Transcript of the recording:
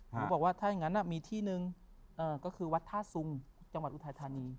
เขาบอกว่าถ้าอย่างนั้นมีที่นึงก็คือวัดท่าสุงจังหวัดอุทัยธานี